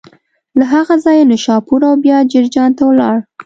له هغه ځایه نشاپور او بیا جرجان ته ولاړ.